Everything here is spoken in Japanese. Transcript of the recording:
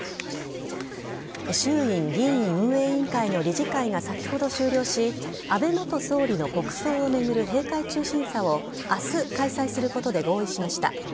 衆院議院運営委員会の理事会が先ほど、終了し安倍元総理の国葬を巡る閉会中審査を明日開催することで合意しました。